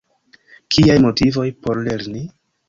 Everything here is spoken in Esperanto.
Kiaj motivoj por lerni?